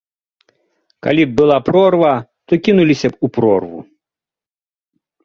Калі б была прорва, то кінуліся б у прорву.